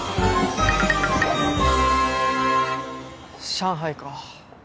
上海か。